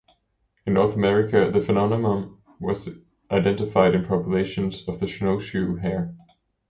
In North America, the phenomenon was identified in populations of the snowshoe hare.